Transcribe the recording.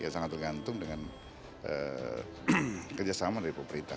sangat tergantung dengan kerjasama dari pemerintah